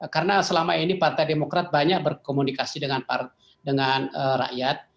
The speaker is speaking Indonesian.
karena selama ini partai demokrat banyak berkomunikasi dengan rakyat